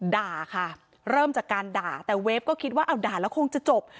ด่าค่ะเริ่มจากการด่าแต่เวฟก็คิดว่าเอาด่าแล้วคงจะจบ